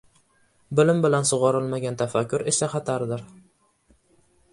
bilim bilan sug‘orilmagan tafakkur esa xatardir.